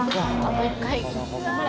もう一回！